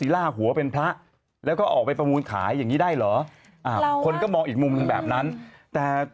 เราได้เงินไป๖๗๐๐๐๐๐แบบนี้